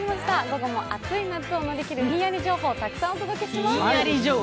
午後も暑い夏を乗り切るひんやり情報、たくさんお届けします。